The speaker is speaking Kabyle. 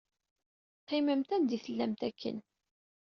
Qqimemt anda i tellamt akken.